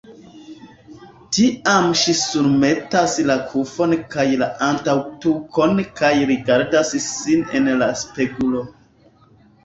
Tiam ŝi surmetas la kufon kaj la antaŭtukon kaj rigardas sin en la spegulo.